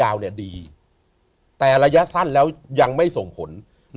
แต่ในระยะสั้นยังไม่ส่งผล